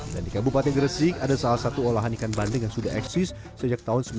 di kabupaten gresik ada salah satu olahan ikan bandeng yang sudah eksis sejak tahun seribu sembilan ratus sembilan puluh